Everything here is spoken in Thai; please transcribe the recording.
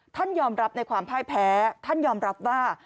ท่านยอมรับในความพ่ายแพ้ท่านยอมรับว่า